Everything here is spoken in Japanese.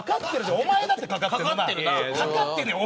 おまえだって、かかってるよ。